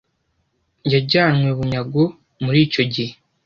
yajyanywe bunyago muri icyo gihe